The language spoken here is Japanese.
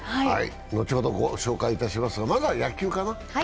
後ほどご紹介しますが、まずは野球かな。